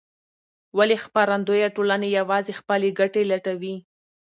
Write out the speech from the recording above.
ولې خپرندویه ټولنې یوازې خپلې ګټې لټوي؟